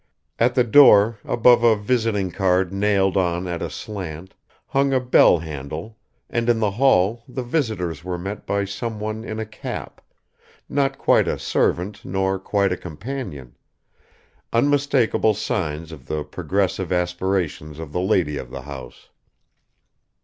At the door, above a visiting card nailed on at a slant, hung a bell handle, and in the hall the visitors were met by someone in a cap, not quite a servant nor quite a companion unmistakable signs of the progressive aspirations of the lady of the house.